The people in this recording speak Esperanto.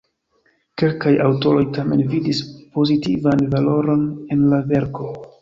Kelkaj aŭtoroj tamen vidis pozitivan valoron en la verko.